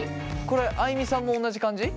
これあいみさんも同じ感じ？